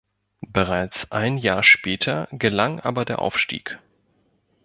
Bereits ein Jahr später gelang aber der Aufstieg.